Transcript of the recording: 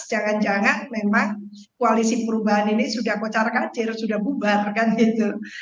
jangan jangan memang koalisi perubahan ini sudah kocar kacir sudah bubar kan gitu